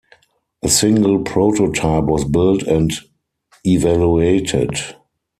A single prototype was built and evaluated.